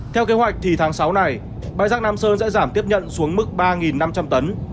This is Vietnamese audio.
theo kế hoạch thì tháng sáu này bãi rác nam sơn sẽ giảm tiếp nhận xuống mức ba năm trăm linh tấn